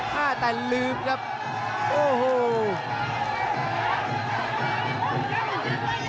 อ่าแต่ลืมครับโอ้โห